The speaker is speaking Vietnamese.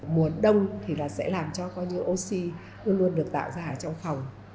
mùa đông thì là sẽ làm cho oxy luôn luôn được tạo ra trong phòng